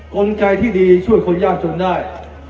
กลไกที่ดีช่วยคนยากจนได้